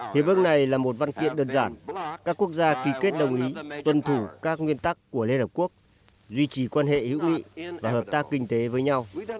hiệp ước này là một văn kiện đơn giản các quốc gia ký kết đồng ý tuân thủ các nguyên tắc của liên hợp quốc duy trì quan hệ hữu nghị và hợp tác kinh tế với nhau